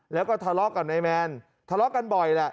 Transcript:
แล้วก็ทะเลาะกับนายแมนทะเลาะกันบ่อยแหละ